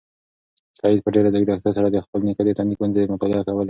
سعید په ډېرې ځیرکتیا سره د خپل نیکه د تندي ګونځې مطالعه کولې.